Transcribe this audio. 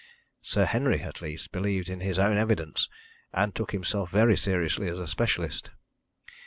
Sir Henry, at least, believed in his own evidence and took himself very seriously as a specialist.